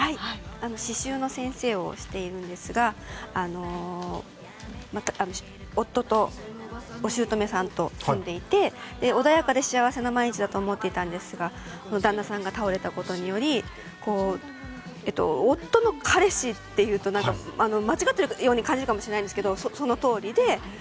刺しゅうの先生をしているんですが夫とお姑さんと住んでいて穏やかで幸せな毎日だと思っていたんですが旦那さんが倒れたことにより夫の彼氏っていうと何か間違っているように感じるかもしれないんですけどそのとおりで。